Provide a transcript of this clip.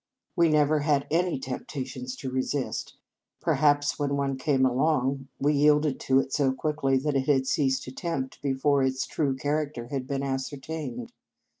We never had any temptations to resist. Perhaps when one came along, we yielded to it so quickly that it had ceased to tempt before its true character had been ascertained.